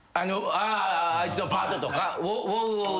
ああいつのパートとか？